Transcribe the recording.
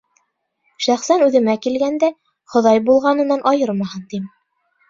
Шәхсән үҙемә килгәндә, Хоҙай булғанынан айырмаһын тим.